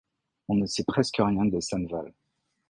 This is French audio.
On ne sait presque rien de Cenwalh.